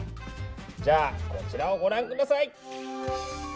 じゃあこちらをご覧ください！